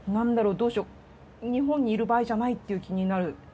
どうしよう日本にいる場合じゃないっていう気になる。